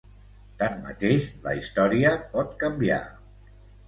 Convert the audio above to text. Tanmateix, la història pot canviar.